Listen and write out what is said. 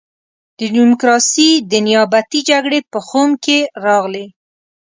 دا ډیموکراسي د نیابتي جګړې په خُم کې راغلې.